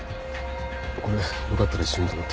これよかったら一緒にと思って。